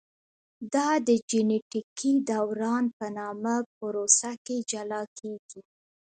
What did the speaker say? دا د جینټیکي دوران په نامه پروسه کې جلا کېږي.